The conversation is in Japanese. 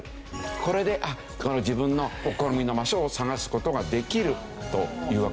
これで自分の好みの場所を探す事ができるというわけですけどね。